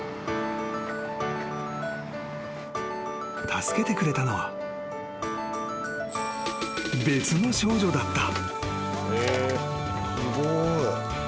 ［助けてくれたのは別の少女だった］